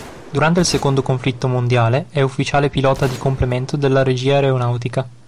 Durante il secondo conflitto mondiale è ufficiale pilota di complemento della Regia Aeronautica.